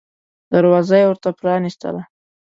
دروازه یې ورته پرانیستله.